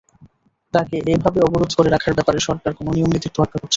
তাঁকে এভাবে অবরোধ করে রাখার ব্যাপারে সরকার কোনো নিয়ম-নীতির তোয়াক্কা করছে না।